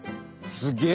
すげえ！